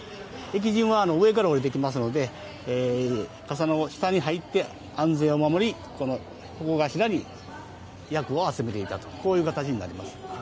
疫神は上から降りてきますので傘の下に入って安全を守り鉾頭に厄を集めていたという形になります。